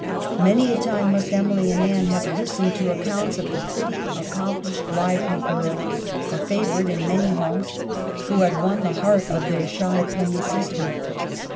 Many a time must Emily and Anne have listened to accounts of the pretty, accomplished, lively girl, a favorite in many homes, who had won the heart of their shy plain sister.